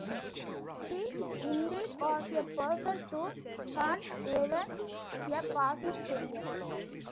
She, indeed, was a person to haunt even a passing stranger.